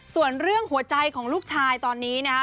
ส่วนเรื่องหัวใจของลูกชายตอนนี้นะฮะ